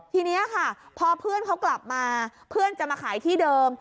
ทีนี้ค่ะพอเพื่อนเขากลับมาเพื่อนจะมาขายที่เดิม